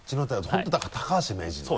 本当にだから高橋名人のね。